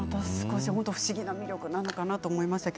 不思議な魅力なのかなと思います。